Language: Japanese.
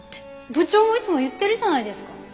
部長もいつも言ってるじゃないですか。